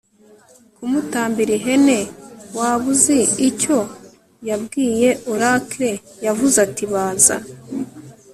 kumutambira ihene. 'waba uzi icyo yabwiye oracle? yavuze ati 'baza